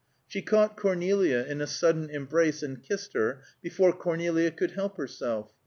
She caught Cornelia in a sudden embrace and kissed her, before Cornelia could help herself.